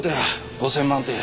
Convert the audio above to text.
５０００万って。